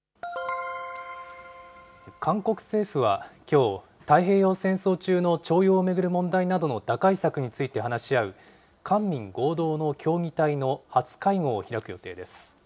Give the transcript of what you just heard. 韓国政府はきょう、太平洋戦争中の徴用を巡る問題などの打開策について話し合う、官民合同の協議体の初会合を開く予定です。